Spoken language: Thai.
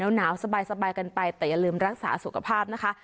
หนาวสบายกันไปแต่อย่าลืมรักษาสุขภาพนะคะ